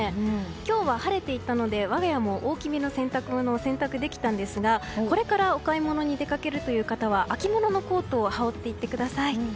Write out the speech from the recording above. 今日は、晴れていたので我が家も大きめの洗濯物を洗濯できたんですがこれからお買い物に出かけるという方は秋物のコートを羽織っていってください。